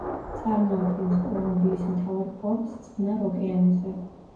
წარმოადგენს კოლუმბიის მთავარ პორტს წყნარ ოკეანეზე.